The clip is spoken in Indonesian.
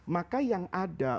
maka yang ada